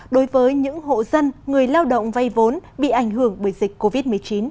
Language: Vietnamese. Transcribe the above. đối với những hộ dân người lao động vay vốn bị ảnh hưởng bởi dịch covid một mươi chín